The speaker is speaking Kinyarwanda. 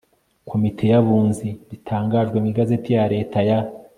komite y abunzi ritangajwe mu igazeti ya leta ya